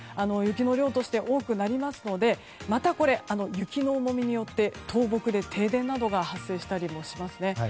雪の量として多くなりますので雪の重みによって倒木で停電などが発生したりもしますね。